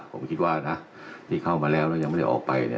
ผมคิดว่านะที่เข้ามาแล้วแล้วยังไม่ได้ออกไป